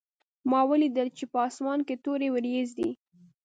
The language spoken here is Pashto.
ما ولیدل چې په اسمان کې تورې وریځې دي